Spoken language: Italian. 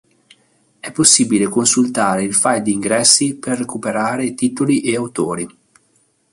È possibile consultare il file di ingressi per recuperare titoli e autori.